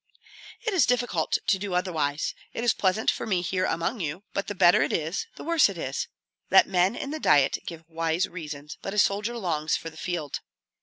"It is difficult to do otherwise. It is pleasant for me here among you; but the better it is, the worse it is. Let men in the Diet give wise reasons, but a soldier longs for the field.